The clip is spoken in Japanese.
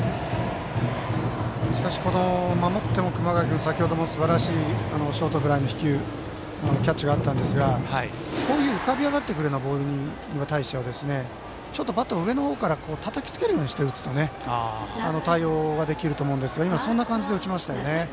しかし、守っても熊谷君は先程も、すばらしいショートフライの飛球のキャッチがあったんですがこういう浮かび上がってくるボールに対してはバットの上の方からたたきつけるように打つと対応ができると思うんですが今のは、そんな感じで打ちましたよね。